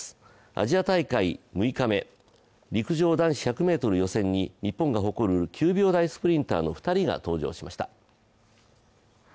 アジア大会６日目、陸上男子１００ｍ予選に日本が誇る９秒台スプリンターの２人が登場しました。